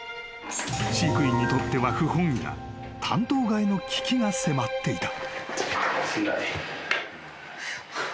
［飼育員にとっては不本意な担当替えの危機が迫っていた］